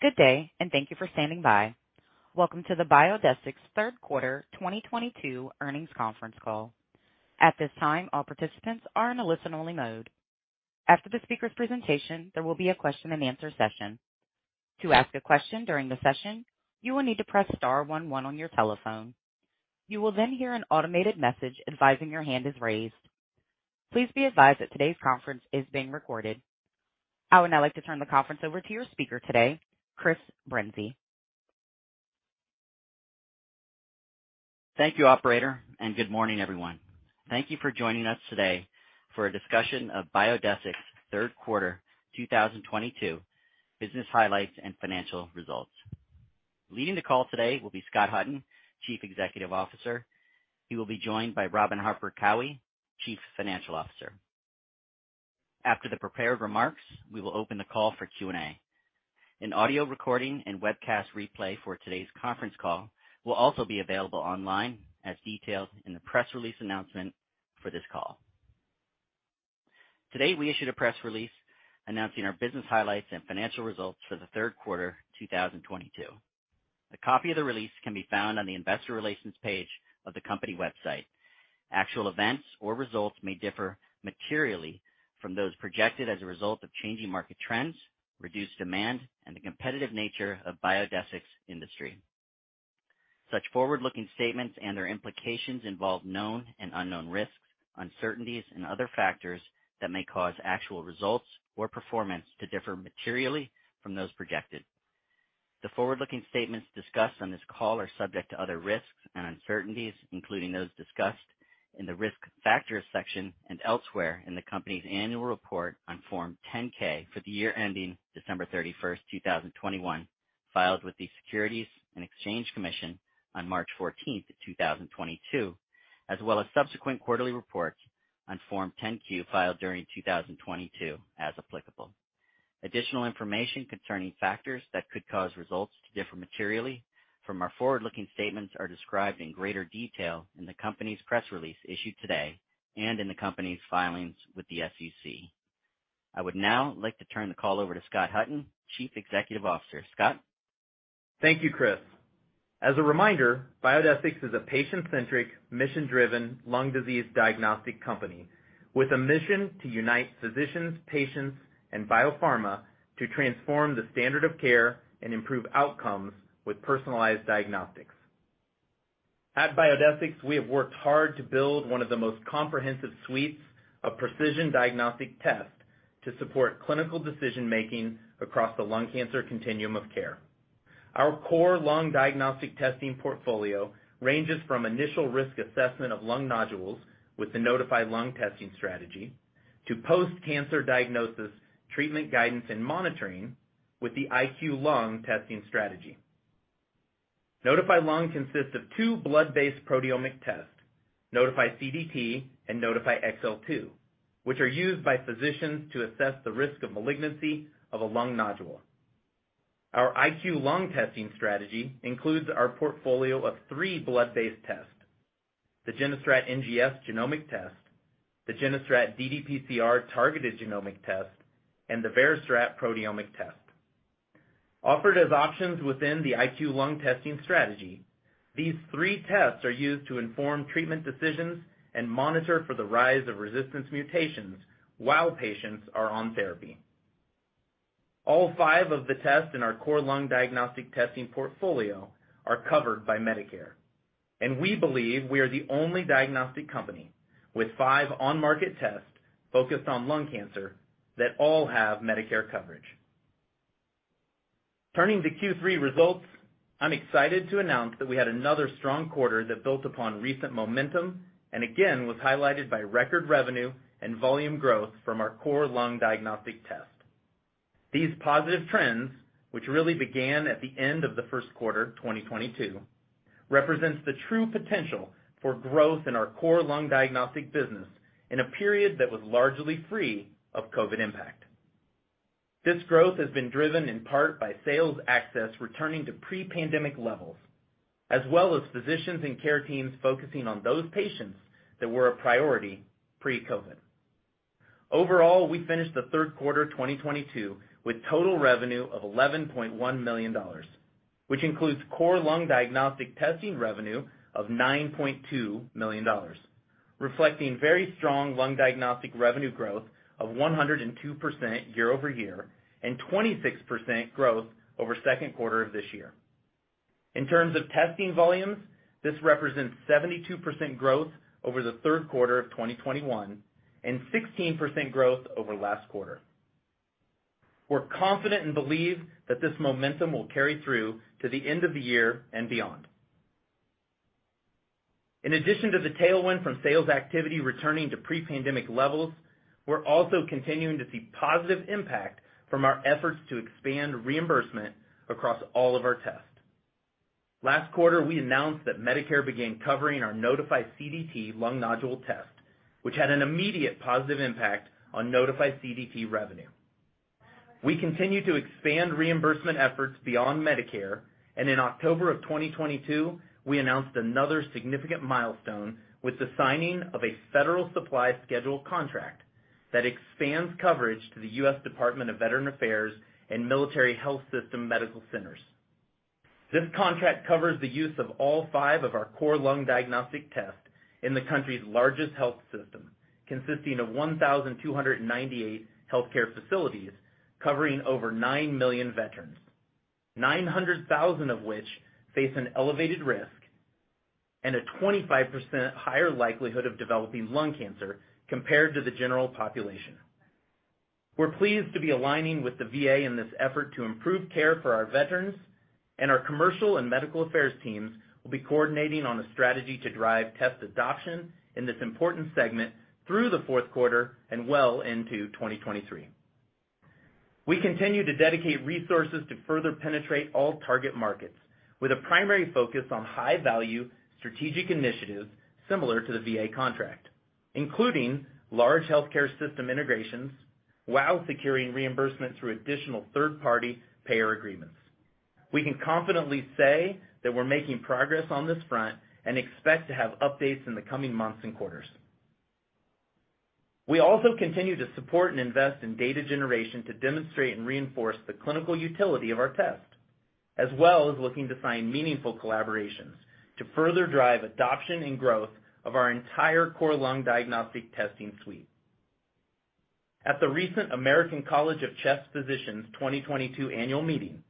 Good day, and thank you for standing by. Welcome to the Biodesix third quarter 2022 earnings conference call. At this time, all participants are in a listen-only mode. After the speaker's presentation, there will be a question-and-answer session. To ask a question during the session, you will need to press star one one on your telephone. You will then hear an automated message advising your hand is raised. Please be advised that today's conference is being recorded. I would now like to turn the conference over to your speaker today, Chris Brinzey. Thank you, operator, and good morning, everyone. Thank you for joining us today for a discussion of Biodesix third quarter 2022 business highlights and financial results. Leading the call today will be Scott Hutton, Chief Executive Officer. He will be joined by Robin Harper Cowie, Chief Financial Officer. After the prepared remarks, we will open the call for Q&A. An audio recording and webcast replay for today's conference call will also be available online, as detailed in the press release announcement for this call. Today, we issued a press release announcing our business highlights and financial results for the third quarter 2022. A copy of the release can be found on the investor relations page of the company website. Actual events or results may differ materially from those projected as a result of changing market trends, reduced demand, and the competitive nature of Biodesix's industry. Such forward-looking statements and their implications involve known and unknown risks, uncertainties, and other factors that may cause actual results or performance to differ materially from those projected. The forward-looking statements discussed on this call are subject to other risks and uncertainties, including those discussed in the Risk Factors section and elsewhere in the company's annual report on Form 10-K for the year ending December 31, 2021, filed with the Securities and Exchange Commission on March 14, 2022, as well as subsequent quarterly reports on Form 10-Q filed during 2022, as applicable. Additional information concerning factors that could cause results to differ materially from our forward-looking statements are described in greater detail in the company's press release issued today and in the company's filings with the SEC. I would now like to turn the call over to Scott Hutton, Chief Executive Officer. Scott? Thank you, Chris. As a reminder, Biodesix is a patient-centric, mission-driven lung disease diagnostic company with a mission to unite physicians, patients, and biopharma to transform the standard of care and improve outcomes with personalized diagnostics. At Biodesix, we have worked hard to build one of the most comprehensive suites of precision diagnostic tests to support clinical decision-making across the lung cancer continuum of care. Our core lung diagnostic testing portfolio ranges from initial risk assessment of lung nodules with the Nodify Lung testing strategy to post-cancer diagnosis, treatment guidance, and monitoring with the IQLung testing strategy. Nodify Lung consists of two blood-based proteomic tests, Nodify CDT and Nodify XL2, which are used by physicians to assess the risk of malignancy of a lung nodule. Our IQLung testing strategy includes our portfolio of three blood-based tests, the GeneStrat NGS genomic test, the GeneStrat ddPCR targeted genomic test, and the VeriStrat proteomic test. Offered as options within the IQLung testing strategy, these three tests are used to inform treatment decisions and monitor for the rise of resistance mutations while patients are on therapy. All five of the tests in our core lung diagnostic testing portfolio are covered by Medicare, and we believe we are the only diagnostic company with five on-market tests focused on lung cancer that all have Medicare coverage. Turning to Q3 results, I'm excited to announce that we had another strong quarter that built upon recent momentum and again was highlighted by record revenue and volume growth from our core lung diagnostic test. These positive trends, which really began at the end of the first quarter 2022, represents the true potential for growth in our core lung diagnostic business in a period that was largely free of COVID impact. This growth has been driven in part by sales access returning to pre-pandemic levels, as well as physicians and care teams focusing on those patients that were a priority pre-COVID. Overall, we finished the third quarter 2022 with total revenue of $11.1 million, which includes core lung diagnostic testing revenue of $9.2 million, reflecting very strong lung diagnostic revenue growth of 102% year-over-year and 26% growth over second quarter of this year. In terms of testing volumes, this represents 72% growth over the third quarter of 2021 and 16% growth over last quarter. We're confident and believe that this momentum will carry through to the end of the year and beyond. In addition to the tailwind from sales activity returning to pre-pandemic levels, we're also continuing to see positive impact from our efforts to expand reimbursement across all of our tests. Last quarter, we announced that Medicare began covering our Nodify CDT lung nodule test, which had an immediate positive impact on Nodify CDT revenue. We continue to expand reimbursement efforts beyond Medicare, and in October of 2022, we announced another significant milestone with the signing of a Federal Supply Schedule contract that expands coverage to the U.S. Department of Veterans Affairs and Military Health System medical centers. This contract covers the use of all five of our core lung diagnostic tests in the country's largest health system, consisting of 1,298 healthcare facilities covering over 9 million veterans, 900,000 of which face an elevated risk and a 25% higher likelihood of developing lung cancer compared to the general population. We're pleased to be aligning with the VA in this effort to improve care for our veterans, and our commercial and medical affairs teams will be coordinating on a strategy to drive test adoption in this important segment through the fourth quarter and well into 2023. We continue to dedicate resources to further penetrate all target markets with a primary focus on high-value strategic initiatives similar to the VA contract, including large healthcare system integrations, while securing reimbursement through additional third-party payer agreements. We can confidently say that we're making progress on this front and expect to have updates in the coming months and quarters. We also continue to support and invest in data generation to demonstrate and reinforce the clinical utility of our test, as well as looking to find meaningful collaborations to further drive adoption and growth of our entire core lung diagnostic testing suite. At the recent American College of Chest Physicians 2022 annual meeting,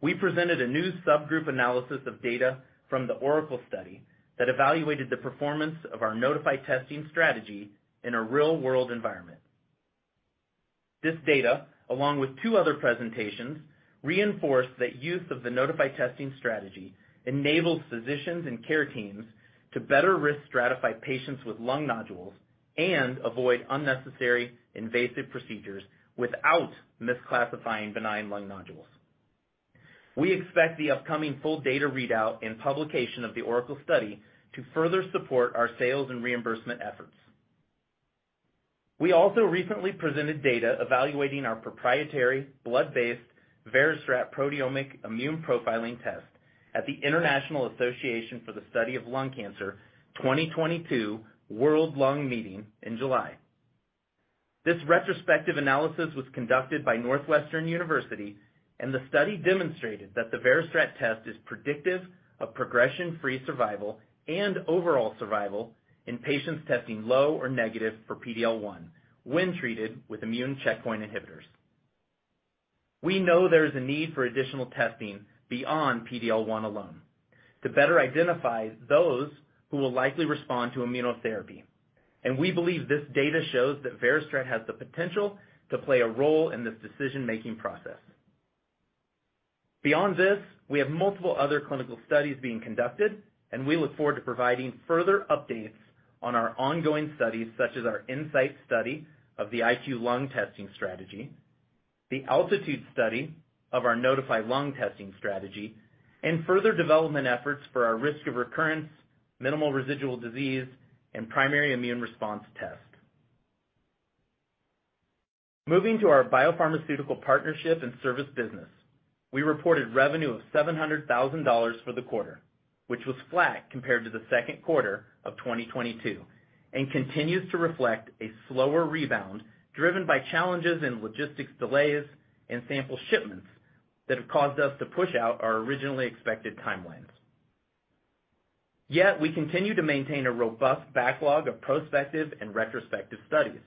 we presented a new subgroup analysis of data from the ORACLE study that evaluated the performance of our Nodify testing strategy in a real-world environment. This data, along with two other presentations, reinforced that use of the Nodify testing strategy enables physicians and care teams to better risk stratify patients with lung nodules and avoid unnecessary invasive procedures without misclassifying benign lung nodules. We expect the upcoming full data readout and publication of the ORACLE study to further support our sales and reimbursement efforts. We also recently presented data evaluating our proprietary blood-based VeriStrat Proteomic Immune Profiling Test at the International Association for the Study of Lung Cancer 2022 World Lung Meeting in July. This retrospective analysis was conducted by Northwestern University, and the study demonstrated that the VeriStrat test is predictive of progression-free survival and overall survival in patients testing low or negative for PD-L1 when treated with immune checkpoint inhibitors. We know there is a need for additional testing beyond PD-L1 alone to better identify those who will likely respond to immunotherapy, and we believe this data shows that VeriStrat has the potential to play a role in this decision-making process. Beyond this, we have multiple other clinical studies being conducted, and we look forward to providing further updates on our ongoing studies, such as our INSIGHT study of the IQLung testing strategy, the ALTITUDE study of our Nodify Lung testing strategy, and further development efforts for our risk of recurrence, minimal residual disease, and primary immune response test. Moving to our biopharmaceutical partnership and service business, we reported revenue of $700,000 for the quarter, which was flat compared to the second quarter of 2022 and continues to reflect a slower rebound driven by challenges in logistics delays and sample shipments that have caused us to push out our originally expected timelines. Yet, we continue to maintain a robust backlog of prospective and retrospective studies.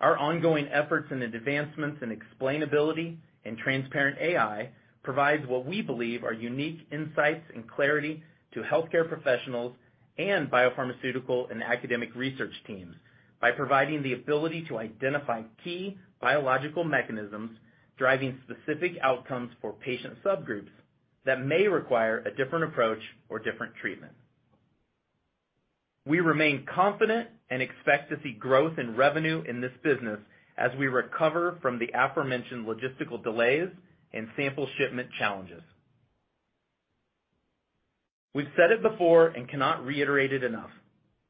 Our ongoing efforts and advancements in explainability and transparent AI provides what we believe are unique insights and clarity to healthcare professionals and biopharmaceutical and academic research teams by providing the ability to identify key biological mechanisms driving specific outcomes for patient subgroups that may require a different approach or different treatment. We remain confident and expect to see growth in revenue in this business as we recover from the aforementioned logistical delays and sample shipment challenges. We've said it before and cannot reiterate it enough.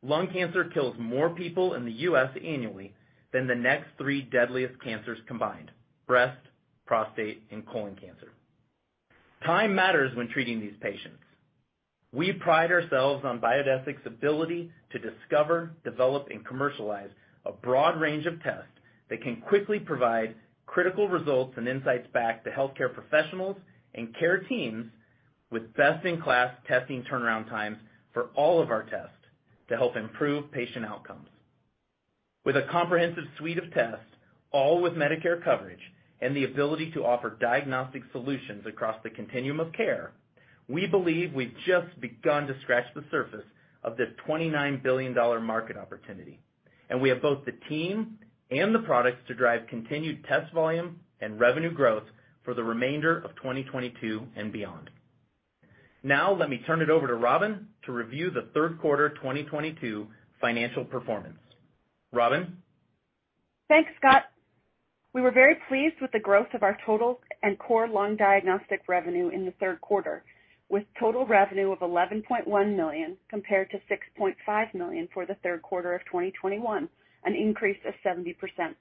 Lung cancer kills more people in the U.S. annually than the next three deadliest cancers combined. Breast, prostate, and colon cancer. Time matters when treating these patients. We pride ourselves on Biodesix's ability to discover, develop, and commercialize a broad range of tests that can quickly provide critical results and insights back to healthcare professionals and care teams with best-in-class testing turnaround times for all of our tests to help improve patient outcomes. With a comprehensive suite of tests, all with Medicare coverage and the ability to offer diagnostic solutions across the continuum of care, we believe we've just begun to scratch the surface of this $29 billion market opportunity, and we have both the team and the products to drive continued test volume and revenue growth for the remainder of 2022 and beyond. Now, let me turn it over to Robin to review the third quarter of 2022 financial performance. Robin? Thanks, Scott. We were very pleased with the growth of our total and core lung diagnostic revenue in the third quarter, with total revenue of $11.1 million compared to $6.5 million for the third quarter of 2021, an increase of 70%.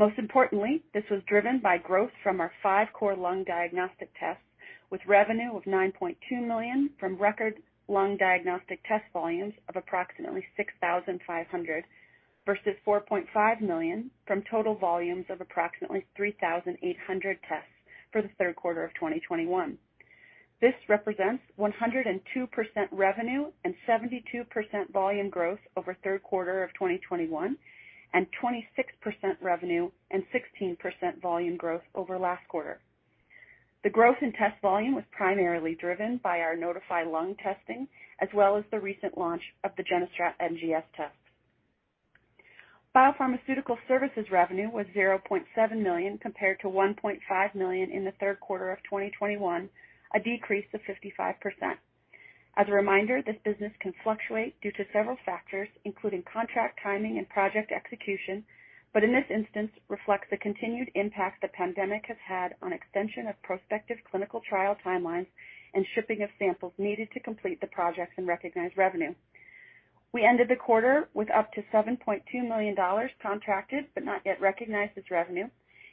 Most importantly, this was driven by growth from our five core lung diagnostic tests, with revenue of $9.2 million from record lung diagnostic test volumes of approximately 6,500 versus $4.5 million from total volumes of approximately 3,800 tests for the third quarter of 2021. This represents 102% revenue and 72% volume growth over third quarter of 2021, and 26% revenue and 16% volume growth over last quarter. The growth in test volume was primarily driven by our Nodify Lung testing, as well as the recent launch of the GeneStrat NGS test. Biopharmaceutical services revenue was $0.7 million compared to $1.5 million in the third quarter of 2021, a decrease of 55%. As a reminder, this business can fluctuate due to several factors, including contract timing and project execution, but in this instance reflects the continued impact the pandemic has had on extension of prospective clinical trial timelines and shipping of samples needed to complete the projects and recognize revenue. We ended the quarter with up to $7.2 million contracted but not yet recognized as revenue,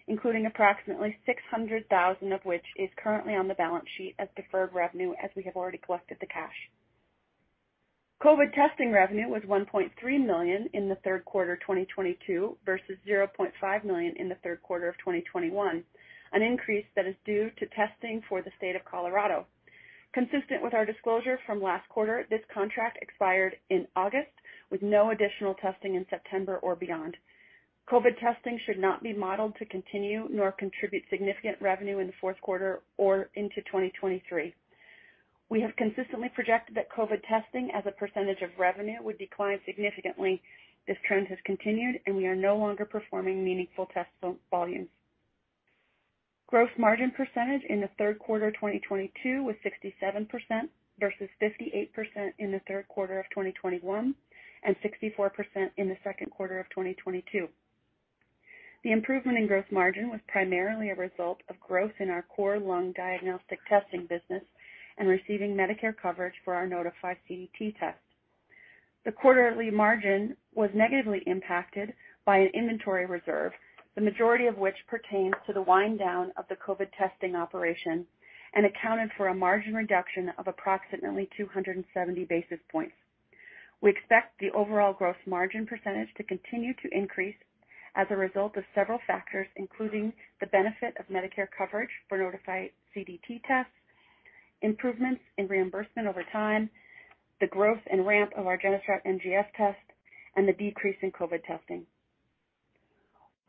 including approximately $600,000 of which is currently on the balance sheet as deferred revenue, as we have already collected the cash. COVID testing revenue was $1.3 million in the third quarter 2022 versus $0.5 million in the third quarter of 2021, an increase that is due to testing for the state of Colorado. Consistent with our disclosure from last quarter, this contract expired in August with no additional testing in September or beyond. COVID testing should not be modeled to continue nor contribute significant revenue in the fourth quarter or into 2023. We have consistently projected that COVID testing as a percentage of revenue would decline significantly. This trend has continued, and we are no longer performing meaningful test volumes. Gross margin percentage in the third quarter 2022 was 67% versus 58% in the third quarter of 2021 and 64% in the second quarter of 2022. The improvement in gross margin was primarily a result of growth in our core lung diagnostic testing business and receiving Medicare coverage for our Nodify CDT test. The quarterly margin was negatively impacted by an inventory reserve, the majority of which pertains to the wind down of the COVID testing operation and accounted for a margin reduction of approximately 270 basis points. We expect the overall gross margin percentage to continue to increase as a result of several factors, including the benefit of Medicare coverage for Nodify CDT tests, improvements in reimbursement over time, the growth and ramp of our GeneStrat NGS test, and the decrease in COVID testing.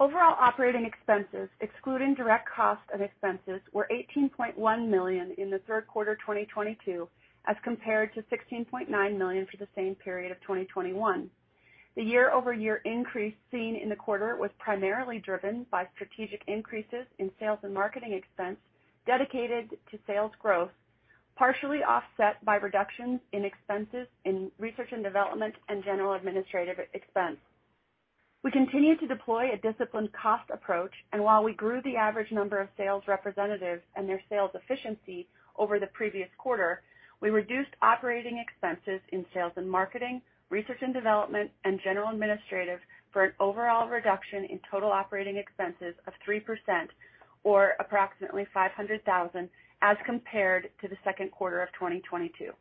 Overall operating expenses, excluding direct costs and expenses, were $18.1 million in the third quarter 2022, as compared to $16.9 million for the same period of 2021. The year-over-year increase seen in the quarter was primarily driven by strategic increases in sales and marketing expense dedicated to sales growth, partially offset by reductions in expenses in research and development and general administrative expense. We continue to deploy a disciplined cost approach, and while we grew the average number of sales representatives and their sales efficiency over the previous quarter, we reduced operating expenses in sales and marketing, research and development, and general administrative for an overall reduction in total operating expenses of 3% or approximately $500,000 as compared to the second quarter of 2022.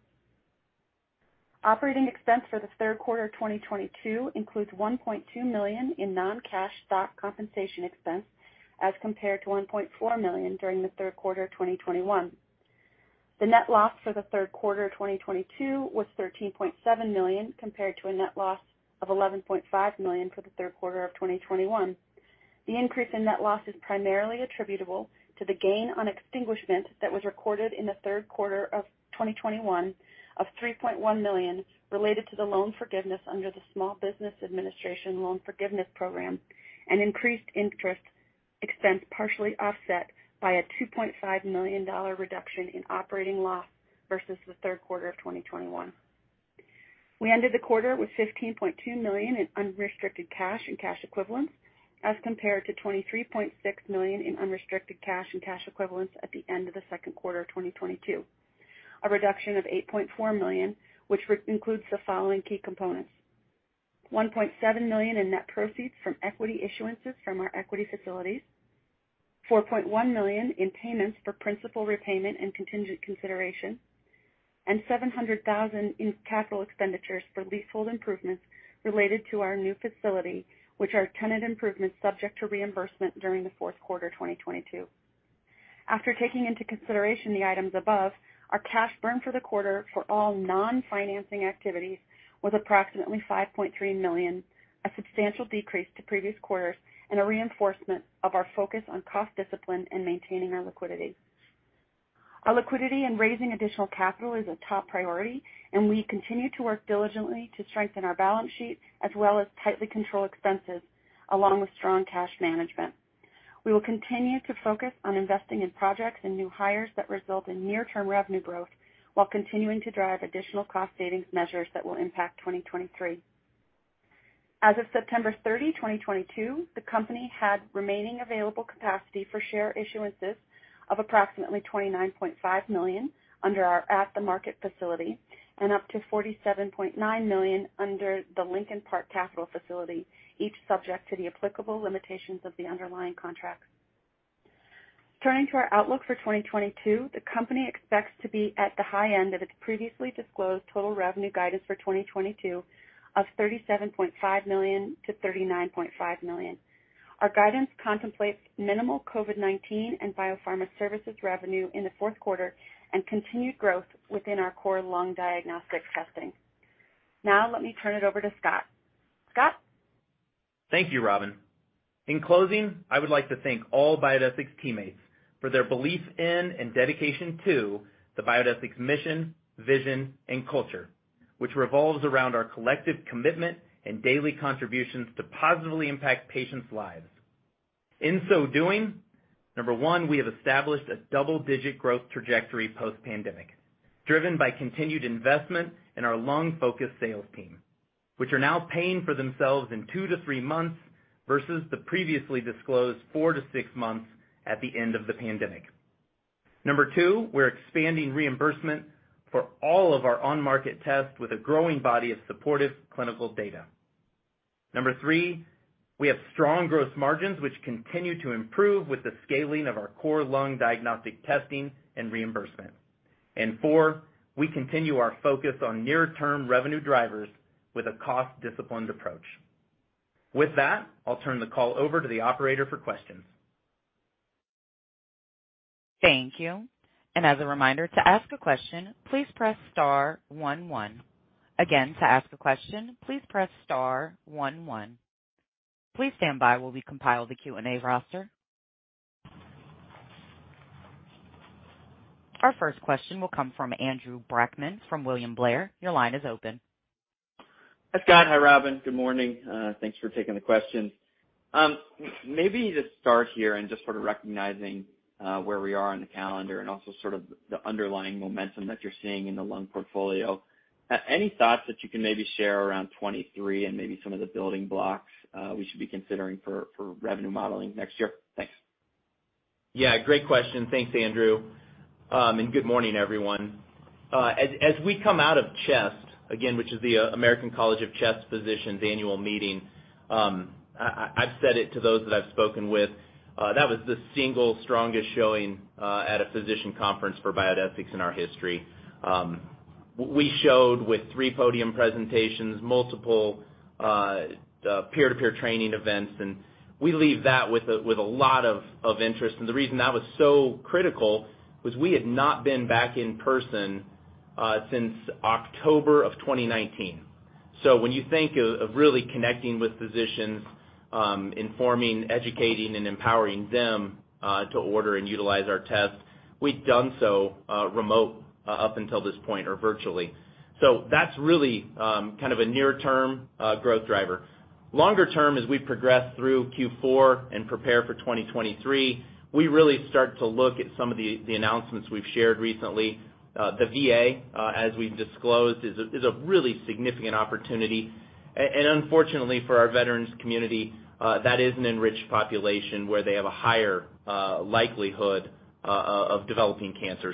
Operating expense for the third quarter of 2022 includes $1.2 million in non-cash stock compensation expense as compared to $1.4 million during the third quarter of 2021. The net loss for the third quarter of 2022 was $13.7 million compared to a net loss of $11.5 million for the third quarter of 2021. The increase in net loss is primarily attributable to the gain on extinguishment that was recorded in the third quarter of 2021 of $3.1 million related to the loan forgiveness under the Small Business Administration Loan Forgiveness Program and increased interest expense, partially offset by a $2.5 million reduction in operating loss versus the third quarter of 2021. We ended the quarter with $15.2 million in unrestricted cash and cash equivalents as compared to $23.6 million in unrestricted cash and cash equivalents at the end of the second quarter of 2022, a reduction of $8.4 million, which includes the following key components. $1.7 million in net proceeds from equity issuances from our equity facilities, $4.1 million in payments for principal repayment and contingent consideration, and $700,000 in capital expenditures for leasehold improvements related to our new facility, which are tenant improvements subject to reimbursement during the fourth quarter 2022. After taking into consideration the items above, our cash burn for the quarter for all non-financing activities was approximately $5.3 million, a substantial decrease to previous quarters and a reinforcement of our focus on cost discipline and maintaining our liquidity. Our liquidity and raising additional capital is a top priority, and we continue to work diligently to strengthen our balance sheet as well as tightly control expenses along with strong cash management. We will continue to focus on investing in projects and new hires that result in near-term revenue growth while continuing to drive additional cost savings measures that will impact 2023. As of September 30, 2022, the company had remaining available capacity for share issuances of approximately $29.5 million under our at-the-market facility and up to $47.9 million under the Lincoln Park Capital facility, each subject to the applicable limitations of the underlying contracts. Turning to our outlook for 2022, the company expects to be at the high end of its previously disclosed total revenue guidance for 2022 of $37.5 million to $39.5 million. Our guidance contemplates minimal COVID-19 and biopharma services revenue in the fourth quarter and continued growth within our core lung diagnostic testing. Now let me turn it over to Scott. Scott? Thank you, Robin. In closing, I would like to thank all Biodesix teammates for their belief in and dedication to the Biodesix mission, vision, and culture, which revolves around our collective commitment and daily contributions to positively impact patients' lives. In so doing, number 1, we have established a double-digit growth trajectory post-pandemic, driven by continued investment in our lung-focused sales team, which are now paying for themselves in 2 to 3 months versus the previously disclosed 4 to 6 months at the end of the pandemic. Number 2, we're expanding reimbursement for all of our on-market tests with a growing body of supportive clinical data. Number 3, we have strong growth margins, which continue to improve with the scaling of our core lung diagnostic testing and reimbursement. Four, we continue our focus on near-term revenue drivers with a cost-disciplined approach. With that, I'll turn the call over to the operator for questions. Thank you. As a reminder, to ask a question, please press star one one. Again, to ask a question, please press star one one. Please stand by while we compile the Q&A roster. Our first question will come from Andrew Brackmann from William Blair. Your line is open. Hi, Scott. Hi, Robin. Good morning. Thanks for taking the questions. Maybe to start here and just sort of recognizing where we are on the calendar and also sort of the underlying momentum that you're seeing in the lung portfolio. Any thoughts that you can maybe share around 2023 and maybe some of the building blocks we should be considering for revenue modeling next year? Thanks. Yeah, great question. Thanks, Andrew. Good morning, everyone. As we come out of CHEST again, which is the American College of Chest Physicians annual meeting, I've said it to those that I've spoken with that was the single strongest showing at a physician conference for Biodesix in our history. We showed with three podium presentations, multiple peer-to-peer training events, and we leave that with a lot of interest. The reason that was so critical was we had not been back in person since October of 2019. When you think of really connecting with physicians, informing, educating, and empowering them to order and utilize our tests, we've done so remotely up until this point or virtually. That's really kind of a near-term growth driver. Longer term, as we progress through Q4 and prepare for 2023, we really start to look at some of the announcements we've shared recently. The VA, as we've disclosed, is a really significant opportunity. Unfortunately for our veterans community, that is an enriched population where they have a higher likelihood of developing cancer.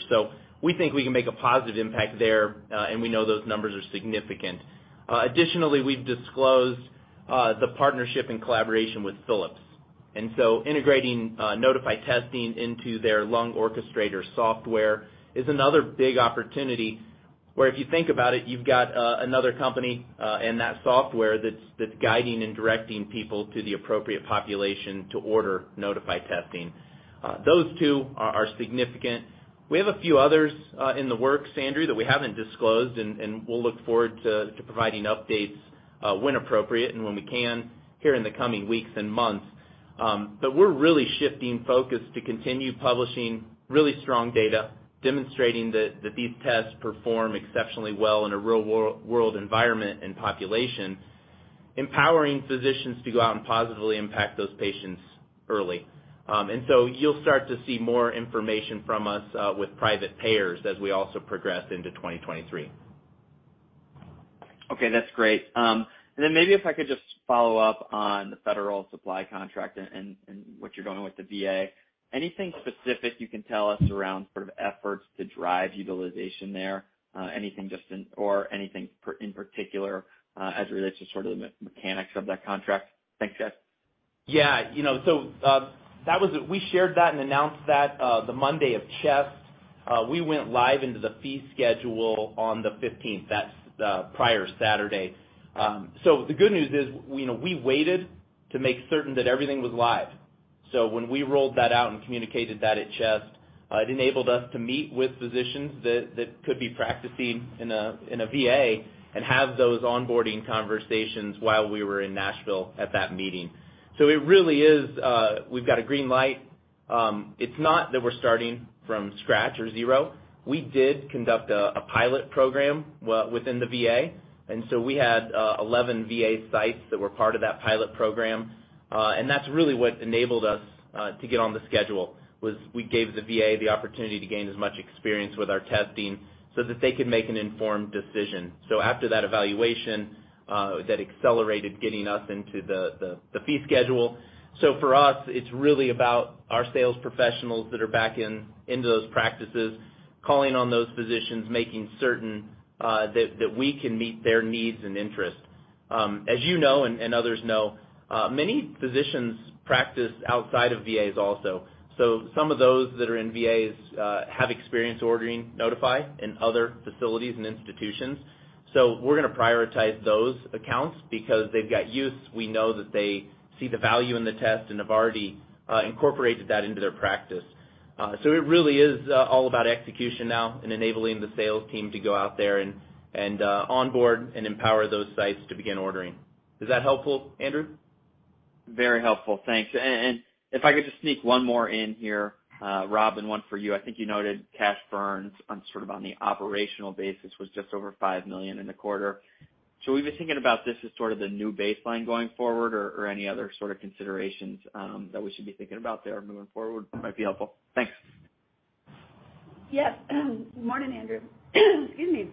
We think we can make a positive impact there, and we know those numbers are significant. Additionally, we've disclosed the partnership and collaboration with Philips. Integrating Nodify testing into their Lung Orchestrator software is another big opportunity where if you think about it, you've got another company in that software that's guiding and directing people to the appropriate population to order Nodify testing. Those two are significant. We have a few others in the works, Andrew, that we haven't disclosed, and we'll look forward to providing updates when appropriate and when we can here in the coming weeks and months. We're really shifting focus to continue publishing really strong data, demonstrating that these tests perform exceptionally well in a real-world environment and population, empowering physicians to go out and positively impact those patients early. You'll start to see more information from us with private payers as we also progress into 2023. Okay, that's great. Maybe if I could just follow up on the federal supply contract and what you're doing with the VA. Anything specific you can tell us around sort of efforts to drive utilization there? Or anything in particular as it relates to sort of the mechanics of that contract? Thanks, guys. Yeah. You know, we shared that and announced that the Monday of CHEST. We went live into the fee schedule on the 15th. That's the prior Saturday. The good news is, you know, we waited to make certain that everything was live. When we rolled that out and communicated that at CHEST, it enabled us to meet with physicians that could be practicing in a VA and have those onboarding conversations while we were in Nashville at that meeting. It really is. We've got a green light. It's not that we're starting from scratch or zero. We did conduct a pilot program within the VA, and so we had 11 VA sites that were part of that pilot program. That's really what enabled us to get on the schedule was we gave the VA the opportunity to gain as much experience with our testing so that they could make an informed decision. After that evaluation, that accelerated getting us into the fee schedule. For us, it's really about our sales professionals that are back into those practices, calling on those physicians, making certain that we can meet their needs and interests. As you know and others know, many physicians practice outside of VAs also. Some of those that are in VAs have experience ordering Nodify in other facilities and institutions. We're gonna prioritize those accounts because they've got use. We know that they see the value in the test and have already incorporated that into their practice. It really is all about execution now and enabling the sales team to go out there and onboard and empower those sites to begin ordering. Is that helpful, Andrew? Very helpful. Thanks. If I could just sneak one more in here, Robin, and one for you. I think you noted cash burns on, sort of on the operational basis was just over $5 million in the quarter. Are we thinking about this as sort of the new baseline going forward or any other sort of considerations that we should be thinking about there moving forward might be helpful. Thanks. Yes. Morning, Andrew. Excuse me.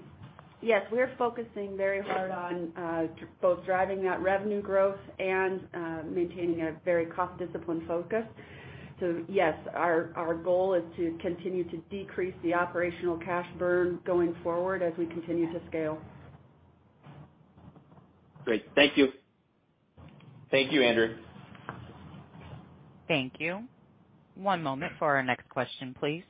Yes, we are focusing very hard on both driving that revenue growth and maintaining a very cost-disciplined focus. Our goal is to continue to decrease the operational cash burn going forward as we continue to scale. Great. Thank you. Thank you, Andrew. Thank you. One moment for our next question, please.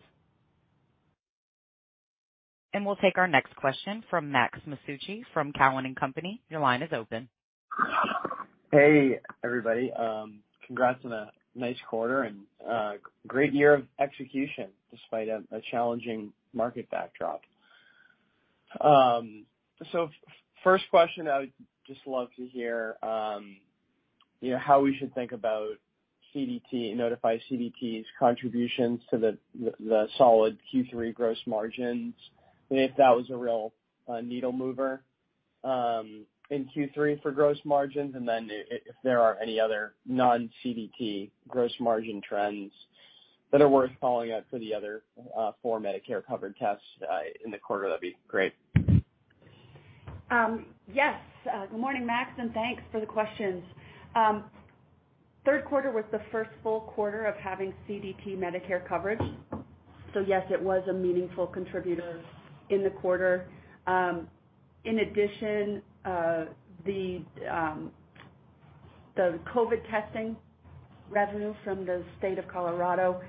We'll take our next question from Max Masucci from Cowen and Company. Your line is open. Hey, everybody. Congrats on a nice quarter and, great year of execution despite a challenging market backdrop. First question, I would just love to hear, you know, how we should think about CDT, Nodify CDT's contributions to the solid Q3 gross margins, and if that was a real needle mover in Q3 for gross margins. Then if there are any other non-CDT gross margin trends that are worth following up for the other four Medicare-covered tests in the quarter, that'd be great. Yes. Good morning, Max, and thanks for the questions. Third quarter was the first full quarter of having CDT Medicare coverage. Yes, it was a meaningful contributor in the quarter. In addition, the COVID testing revenue from the state of Colorado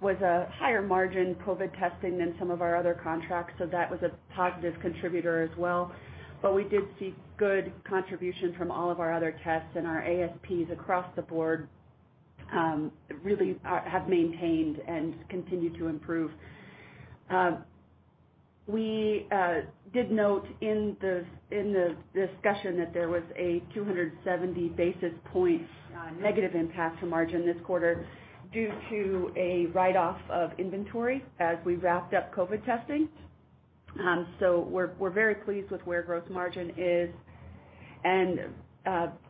was a higher margin COVID testing than some of our other contracts, so that was a positive contributor as well. But we did see good contribution from all of our other tests, and our ASPs across the board really are, have maintained and continue to improve. We did note in the discussion that there was a 270 basis point negative impact to margin this quarter due to a write-off of inventory as we wrapped up COVID testing. We're very pleased with where gross margin is and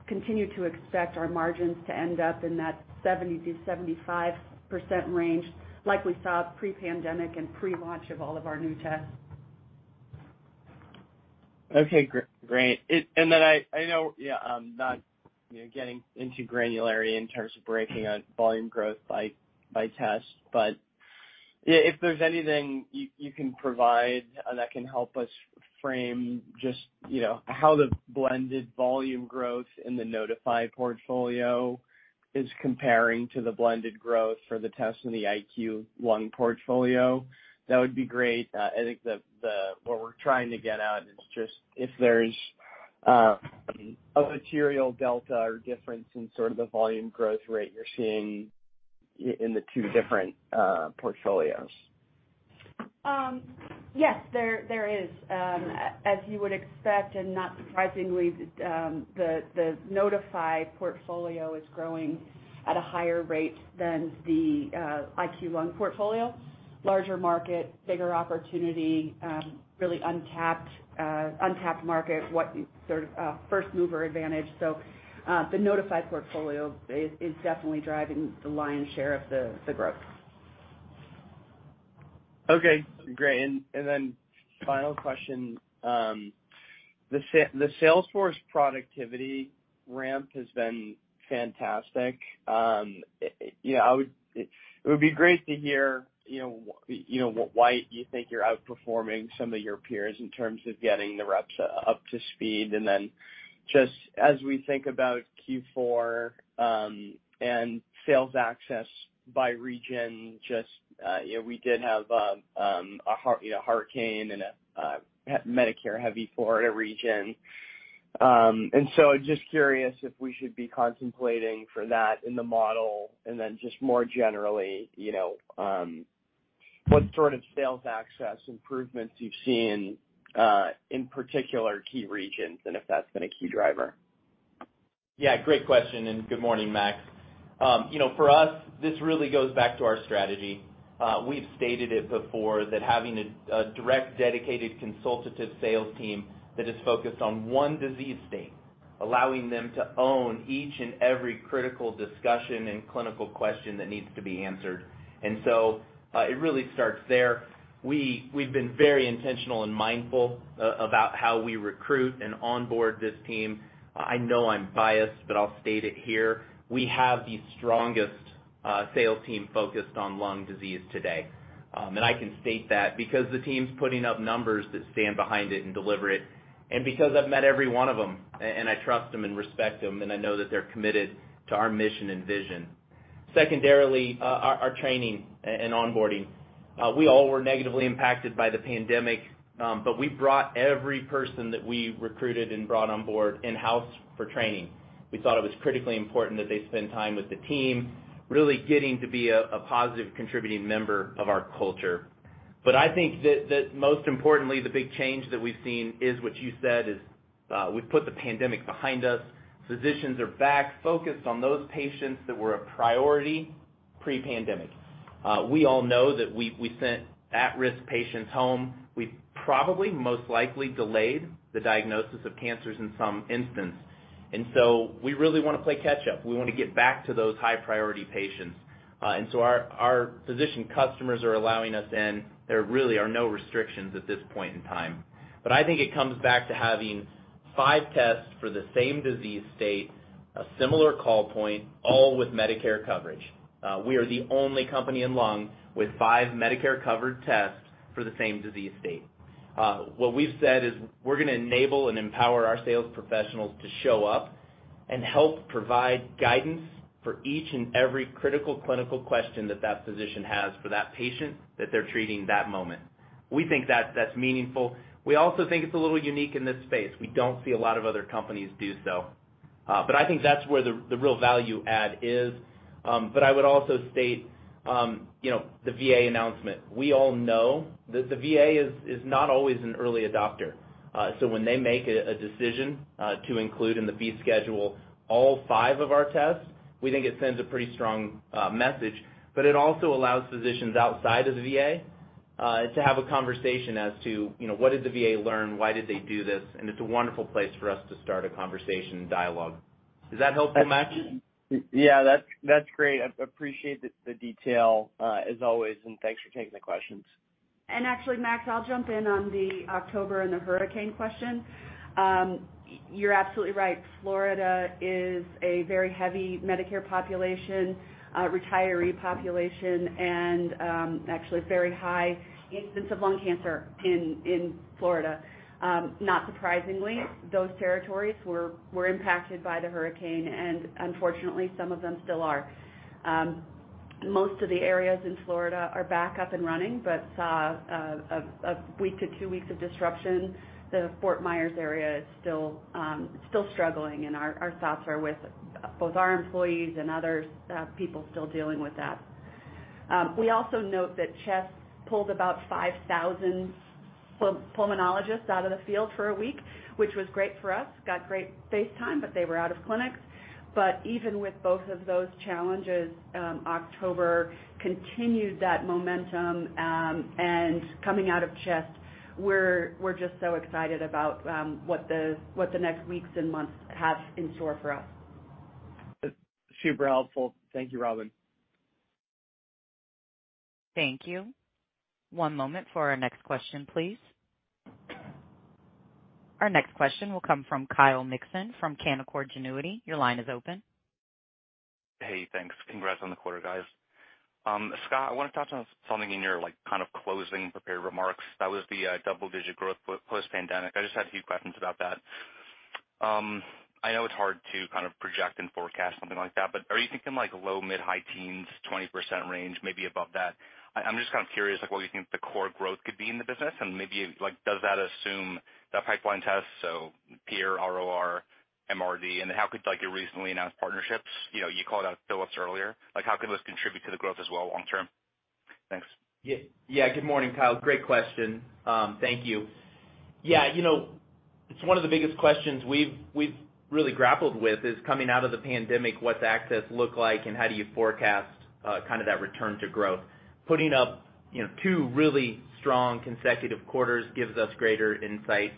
continue to expect our margins to end up in that 70%-75% range like we saw pre-pandemic and pre-launch of all of our new tests. Okay, great. Then I know, not getting into granularity in terms of breaking down volume growth by test, but if there's anything you can provide that can help us frame just, you know, how the blended volume growth in the Nodify portfolio is comparing to the blended growth for the tests in the IQLung portfolio, that would be great. I think what we're trying to get at is just if there's a material delta or difference in sort of the volume growth rate you're seeing in the two different portfolios. Yes, there is. As you would expect and not surprisingly, the Nodify portfolio is growing at a higher rate than the IQLung portfolio. Larger market, bigger opportunity, really untapped market, what sort of first mover advantage. The Nodify portfolio is definitely driving the lion's share of the growth. Okay, great. Final question. The sales force productivity ramp has been fantastic. You know, it would be great to hear, you know, you know, why you think you're outperforming some of your peers in terms of getting the reps up to speed. Then just as we think about Q4, and sales access by region, just, you know, we did have, a hurricane in a, Medicare-heavy Florida region. So just curious if we should be contemplating for that in the model, and then just more generally, you know, what sort of sales access improvements you've seen, in particular key regions, and if that's been a key driver. Yeah, great question, and good morning, Max. You know, for us, this really goes back to our strategy. We've stated it before that having a direct dedicated consultative sales team that is focused on one disease state, allowing them to own each and every critical discussion and clinical question that needs to be answered. It really starts there. We've been very intentional and mindful about how we recruit and onboard this team. I know I'm biased, but I'll state it here. We have the strongest sales team focused on lung disease today. I can state that because the team's putting up numbers that stand behind it and deliver it, and because I've met every one of them and I trust them and respect them, and I know that they're committed to our mission and vision. Secondarily, our training and onboarding, we all were negatively impacted by the pandemic, but we brought every person that we recruited and brought on board in-house for training. We thought it was critically important that they spend time with the team, really getting to be a positive contributing member of our culture. I think that most importantly, the big change that we've seen is what you said is, we've put the pandemic behind us. Physicians are back focused on those patients that were a priority pre-pandemic. We all know that we sent at-risk patients home. We probably most likely delayed the diagnosis of cancers in some instance. We really wanna play catch up. We wanna get back to those high priority patients. Our physician customers are allowing us in. There really are no restrictions at this point in time. I think it comes back to having five tests for the same disease state, a similar call point, all with Medicare coverage. We are the only company in lung with five Medicare-covered tests for the same disease state. What we've said is we're gonna enable and empower our sales professionals to show up and help provide guidance for each and every critical clinical question that physician has for that patient that they're treating that moment. We think that's meaningful. We also think it's a little unique in this space. We don't see a lot of other companies do so. I think that's where the real value add is. I would also state, you know, the VA announcement. We all know that the VA is not always an early adopter. When they make a decision to include in the fee schedule all five of our tests, we think it sends a pretty strong message, but it also allows physicians outside of the VA to have a conversation as to, you know, what did the VA learn? Why did they do this? It's a wonderful place for us to start a conversation and dialogue. Does that help, Max? Yeah. That's great. I appreciate the detail, as always, and thanks for taking the questions. Actually, Max, I'll jump in on the October and the hurricane question. You're absolutely right. Florida is a very heavy Medicare population, retiree population, and actually very high incidence of lung cancer in Florida. Not surprisingly, those territories were impacted by the hurricane, and unfortunately, some of them still are. Most of the areas in Florida are back up and running, but saw a week to 2 weeks of disruption. The Fort Myers area is still struggling, and our thoughts are with both our employees and others, people still dealing with that. We also note that CHEST pulled about 5,000 pulmonologists out of the field for a week, which was great for us, got great face time, but they were out of clinics. Even with both of those challenges, October continued that momentum, and coming out of CHEST, we're just so excited about what the next weeks and months have in store for us. Super helpful. Thank you, Robin. Thank you. One moment for our next question, please. Our next question will come from Kyle Mikson from Canaccord Genuity. Your line is open. Hey, thanks. Congrats on the quarter, guys. Scott, I wanna touch on something in your, like, kind of closing prepared remarks. That was the double-digit growth post pandemic. I just had a few questions about that. I know it's hard to kind of project and forecast something like that, but are you thinking like low, mid-high teens, 20% range, maybe above that? I'm just kind of curious, like, what you think the core growth could be in the business, and maybe, like, does that assume that pipeline test, so PR, ROR, MRD? How could your recently announced partnerships, you know, you called out Philips earlier. Like, how could this contribute to the growth as well long term? Thanks. Good morning, Kyle. Great question. Thank you. Yeah, you know, it's one of the biggest questions we've really grappled with, is coming out of the pandemic, what's access look like and how do you forecast kind of that return to growth. Putting up, you know, two really strong consecutive quarters gives us greater insight.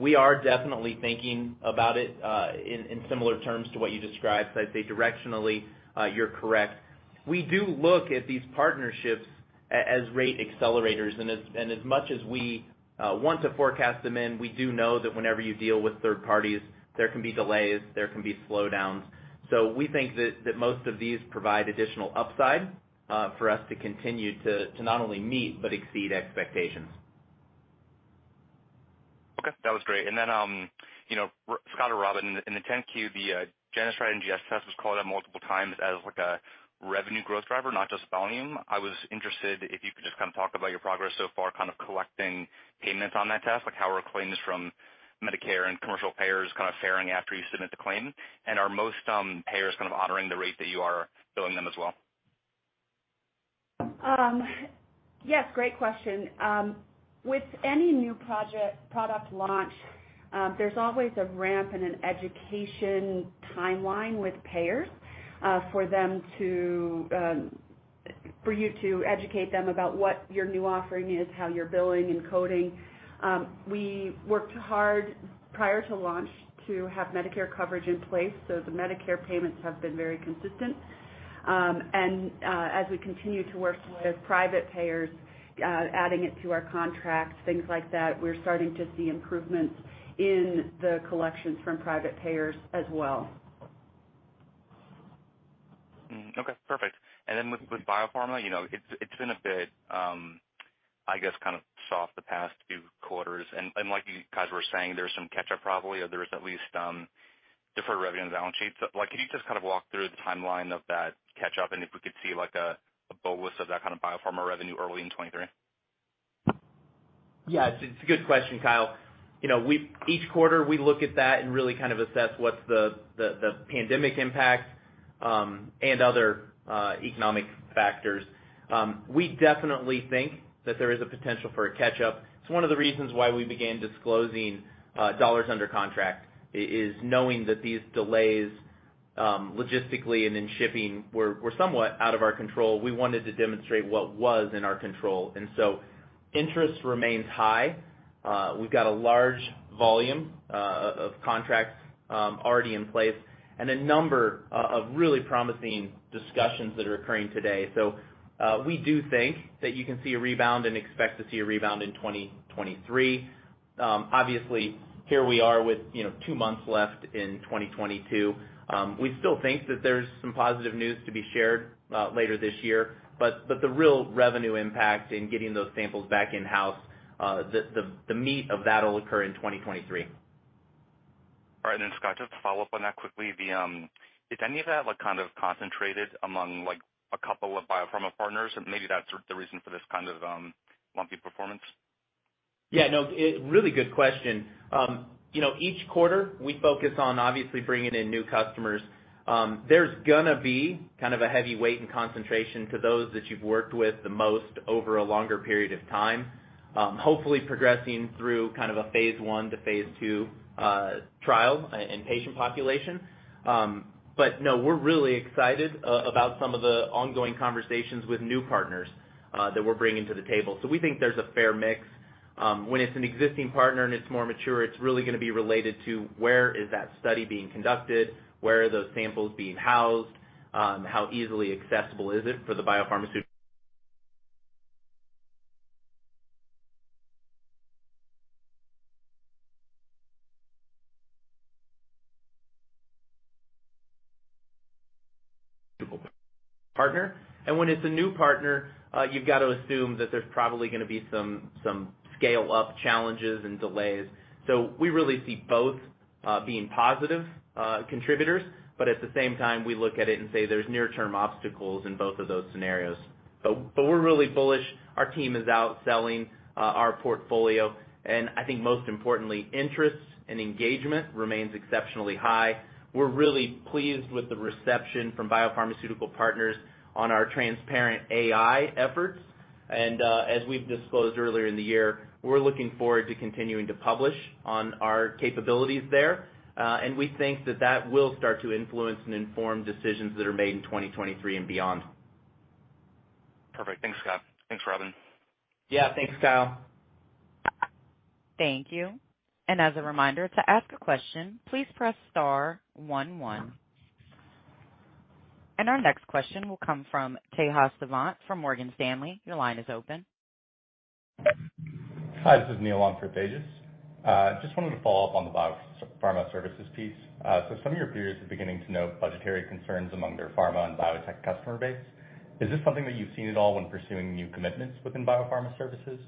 We are definitely thinking about it in similar terms to what you described. I'd say directionally, you're correct. We do look at these partnerships as rate accelerators. As much as we want to forecast them in, we do know that whenever you deal with third parties, there can be delays, there can be slowdowns. We think that most of these provide additional upside for us to continue to not only meet, but exceed expectations. Okay, that was great. You know, Scott or Robin, in the 10-Q, the GeneStrat NGS test was called out multiple times as like a revenue growth driver, not just volume. I was interested if you could just kind of talk about your progress so far, kind of collecting payments on that test, like how are claims from Medicare and commercial payers kind of faring after you submit the claim. Are most payers kind of honoring the rate that you are billing them as well? Yes, great question. With any new product launch, there's always a ramp and an education timeline with payers, for you to educate them about what your new offering is, how you're billing and coding. We worked hard prior to launch to have Medicare coverage in place, so the Medicare payments have been very consistent. As we continue to work with private payers, adding it to our contracts, things like that, we're starting to see improvements in the collections from private payers as well. Okay, perfect. With biopharma, you know, it's been a bit. I guess kind of soft the past few quarters. Like you guys were saying, there's some catch-up probably, or there is at least deferred revenue on the balance sheet. Like, can you just kind of walk through the timeline of that catch-up, and if we could see like a ballpark of that kind of biopharma revenue early in 2023? Yeah. It's a good question, Kyle. You know, each quarter, we look at that and really kind of assess what's the pandemic impact and other economic factors. We definitely think that there is a potential for a catch-up. It's one of the reasons why we began disclosing dollars under contract, knowing that these delays logistically and in shipping were somewhat out of our control. We wanted to demonstrate what was in our control. Interest remains high. We've got a large volume of contracts already in place and a number of really promising discussions that are occurring today. We do think that you can see a rebound and expect to see a rebound in 2023. Obviously, here we are with, you know, two months left in 2022. We still think that there's some positive news to be shared later this year. The real revenue impact in getting those samples back in-house, the meat of that will occur in 2023. All right. Scott, just to follow up on that quickly, is any of that like, kind of concentrated among like a couple of biopharma partners? Or maybe that's the reason for this kind of lumpy performance. Yeah, no, really good question. You know, each quarter we focus on obviously bringing in new customers. There's gonna be kind of a heavy weight and concentration to those that you've worked with the most over a longer period of time, hopefully progressing through kind of a phase one to phase two trial and patient population. No, we're really excited about some of the ongoing conversations with new partners that we're bringing to the table. We think there's a fair mix. When it's an existing partner and it's more mature, it's really gonna be related to where is that study being conducted? Where are those samples being housed? How easily accessible is it for the biopharmaceutical partner? When it's a new partner, you've got to assume that there's probably gonna be some scale-up challenges and delays. We really see both being positive contributors, but at the same time, we look at it and say there's near-term obstacles in both of those scenarios. We're really bullish. Our team is out selling our portfolio. I think most importantly, interest and engagement remains exceptionally high. We're really pleased with the reception from biopharmaceutical partners on our transparent AI efforts. As we've disclosed earlier in the year, we're looking forward to continuing to publish on our capabilities there. We think that will start to influence and inform decisions that are made in 2023 and beyond. Perfect. Thanks, Scott. Thanks, Robin. Yeah. Thanks, Kyle. Thank you. As a reminder, to ask a question, please press star one one. Our next question will come from Tejas Savant from Morgan Stanley. Your line is open. Hi, this is Neil on for Tejas. Just wanted to follow up on the biopharma services piece. Some of your peers are beginning to note budgetary concerns among their pharma and biotech customer base. Is this something that you've seen at all when pursuing new commitments within biopharma services?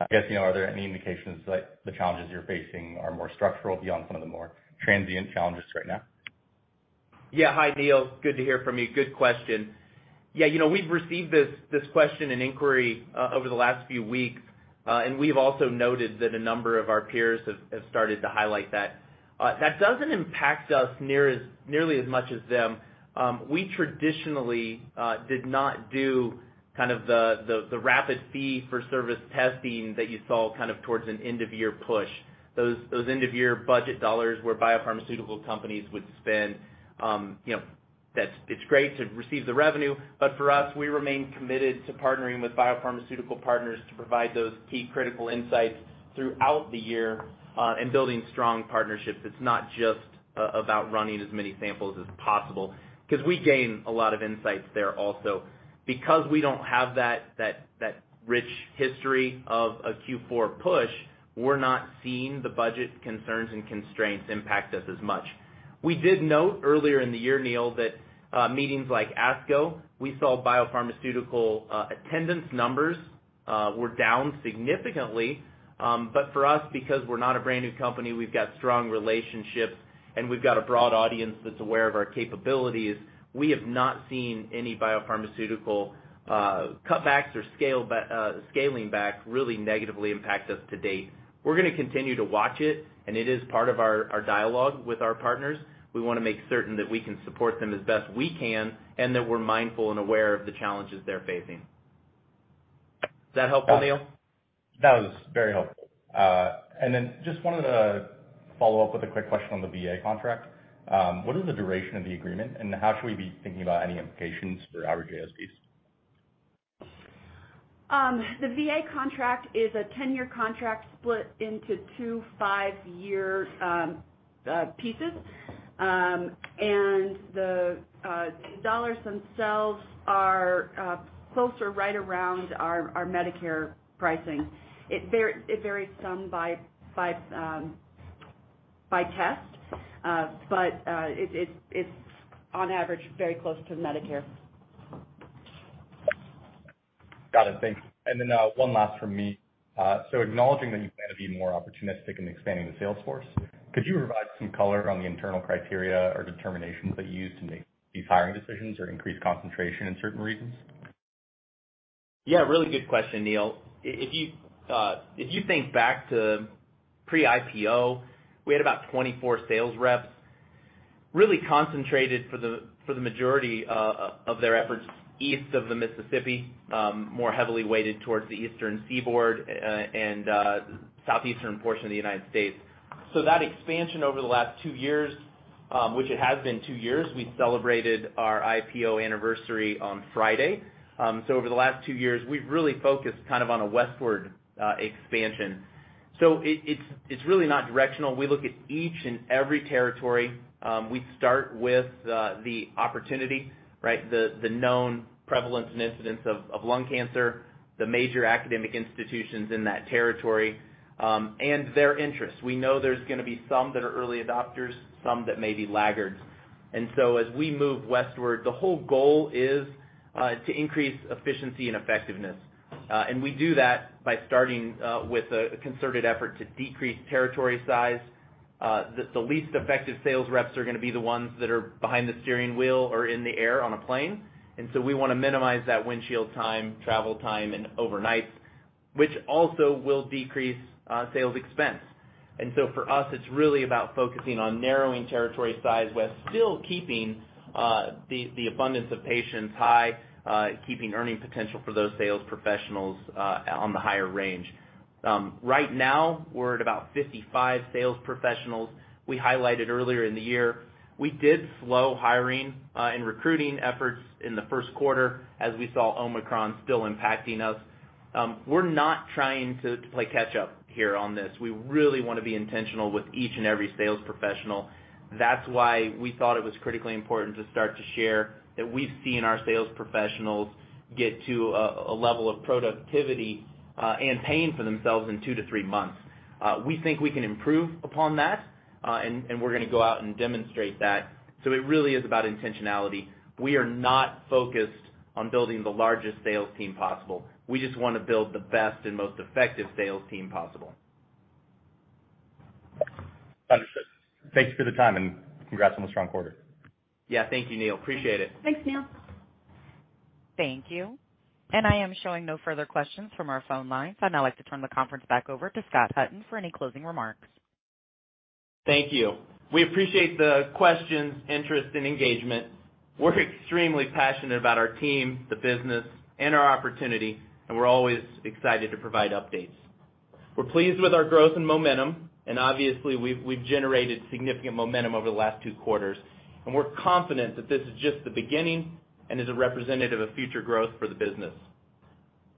I guess, you know, are there any indications that the challenges you're facing are more structural beyond some of the more transient challenges right now? Yeah. Hi, Neil. Good to hear from you. Good question. Yeah, you know, we've received this question and inquiry over the last few weeks, and we've also noted that a number of our peers have started to highlight that. That doesn't impact us nearly as much as them. We traditionally did not do kind of the rapid fee-for-service testing that you saw kind of towards an end-of-year push. Those end-of-year budget dollars where biopharmaceutical companies would spend, you know, that's great to receive the revenue. For us, we remain committed to partnering with biopharmaceutical partners to provide those key critical insights throughout the year, and building strong partnerships. It's not just about running as many samples as possible cause we gain a lot of insights there also. Because we don't have that rich history of a Q4 push, we're not seeing the budget concerns and constraints impact us as much. We did note earlier in the year, Neil, that meetings like ASCO, we saw biopharmaceutical attendance numbers were down significantly. For us, because we're not a brand new company, we've got strong relationships, and we've got a broad audience that's aware of our capabilities, we have not seen any biopharmaceutical cutbacks or scaling back really negatively impact us to date. We're gonna continue to watch it, and it is part of our dialogue with our partners. We wanna make certain that we can support them as best we can and that we're mindful and aware of the challenges they're facing. Does that help, Neil? That was very helpful. Just wanted to follow up with a quick question on the VA contract. What is the duration of the agreement and how should we be thinking about any implications for average ASPs? The VA contract is a 10-year contract split into two 5-year pieces. The dollars themselves are closer right around our Medicare pricing. It varies some by test, It's on average very close to Medicare. Got it. Thanks. One last from me. Acknowledging that you plan to be more opportunistic in expanding the sales force, could you provide some color on the internal criteria or determinations that you use to make these hiring decisions or increase concentration in certain regions? Yeah, really good question, Neil. If you think back to pre-IPO, we had about 24 sales reps really concentrated for the majority of their efforts east of the Mississippi, more heavily weighted towards the Eastern Seaboard and Southeastern portion of the United States. That expansion over the last two years, which it has been two years, we celebrated our IPO anniversary on Friday. Over the last two years, we've really focused kind of on a westward expansion. It's really not directional. We look at each and every territory. We start with the opportunity, right? The known prevalence and incidence of lung cancer, the major academic institutions in that territory, and their interests. We know there's gonna be some that are early adopters, some that may be laggards. As we move westward, the whole goal is to increase efficiency and effectiveness. We do that by starting with a concerted effort to decrease territory size. The least effective sales reps are gonna be the ones that are behind the steering wheel or in the air on a plane. We wanna minimize that windshield time, travel time, and overnights, which also will decrease sales expense. For us, it's really about focusing on narrowing territory size while still keeping the abundance of patients high, keeping earning potential for those sales professionals on the higher range. Right now, we're at about 55 sales professionals. We highlighted earlier in the year, we did slow hiring and recruiting efforts in the first quarter as we saw Omicron still impacting us. We're not trying to play catch up here on this. We really wanna be intentional with each and every sales professional. That's why we thought it was critically important to start to share that we've seen our sales professionals get to a level of productivity and paying for themselves in 2 to 3 months. We think we can improve upon that and we're gonna go out and demonstrate that. It really is about intentionality. We are not focused on building the largest sales team possible. We just wanna build the best and most effective sales team possible. Understood. Thank you for the time, and congrats on the strong quarter. Yeah. Thank you, Neil. Appreciate it. Thanks, Neil. Thank you. I am showing no further questions from our phone lines. I'd now like to turn the conference back over to Scott Hutton for any closing remarks. Thank you. We appreciate the questions, interest, and engagement. We're extremely passionate about our team, the business, and our opportunity, and we're always excited to provide updates. We're pleased with our growth and momentum, and obviously, we've generated significant momentum over the last two quarters. We're confident that this is just the beginning and is a representative of future growth for the business.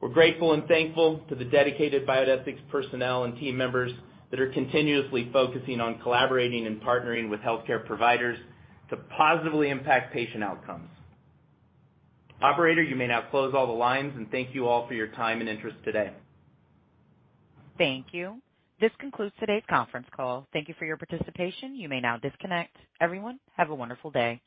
We're grateful and thankful to the dedicated Biodesix personnel and team members that are continuously focusing on collaborating and partnering with healthcare providers to positively impact patient outcomes. Operator, you may now close all the lines and thank you all for your time and interest today. Thank you. This concludes today's conference call. Thank you for your participation. You may now disconnect. Everyone, have a wonderful day.